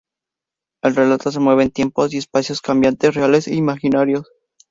El relato se mueve en tiempos y espacios cambiantes, reales e imaginarios.